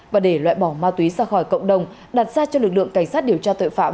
và để loại bỏ ma túy ra khỏi cộng đồng đặt ra cho lực lượng cảnh sát điều tra tội phạm